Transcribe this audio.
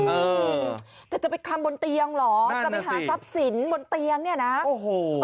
อืมแต่จะไปคลำบนเตียงเหรอจะไปหาทรัพย์สินบนเตียงเนี่ยนะโอ้โห